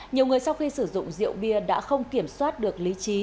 nhiều người sau khi sử dụng rượu bia đã không kiểm soát được lý trí